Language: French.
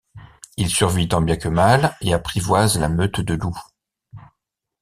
Il survit tant bien que mal et apprivoise la meute de loups.